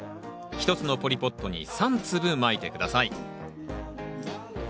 １つのポリポットに３粒まいて下さい。